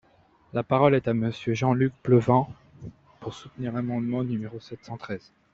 La parole est à Monsieur Jean-Luc Bleunven, pour soutenir l’amendement numéro sept cent treize.